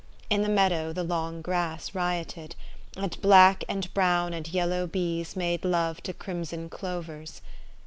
In the meadow the long grass rioted ; and black and brown and yellow bees made love to crimson clovers.